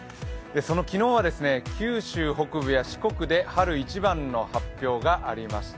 昨日は九州北部や四国で春一番の発表がありました。